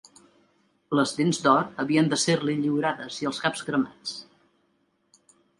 Les dents d'or havien de ser-li lliurades i els caps cremats.